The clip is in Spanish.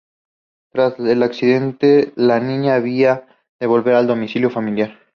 Tras el accidente, la niña habrá de volver al domicilio familiar.